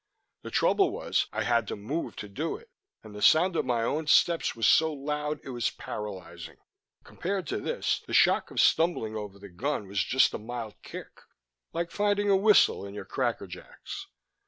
The trouble was, I had to move to do it, and the sound of my own steps was so loud it was paralyzing. Compared to this, the shock of stumbling over the gun was just a mild kick, like finding a whistle in your Cracker jacks.